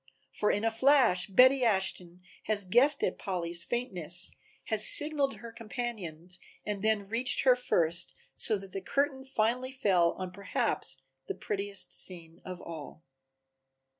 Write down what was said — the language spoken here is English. For in a flash Betty Ashton has guessed at Polly's faintness, has signaled her companions and then reached her first, so that the curtain finally fell on perhaps the prettiest scene of all.